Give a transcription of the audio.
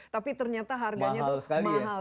tapi ternyata harganya tuh mahal